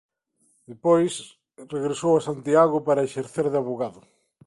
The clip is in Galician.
Despois regresou a Santiago para exercer de avogado.